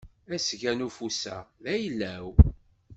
Asga n ufus-a d ayla-w.